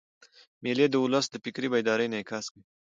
مېلې د اولس د فکري بیدارۍ انعکاس کوي.